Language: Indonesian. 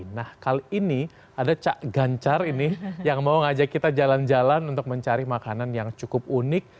nah kali ini ada cak gancar ini yang mau ngajak kita jalan jalan untuk mencari makanan yang cukup unik